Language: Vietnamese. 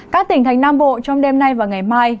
các tỉnh thành nam bộ trong đêm nay và ngày mai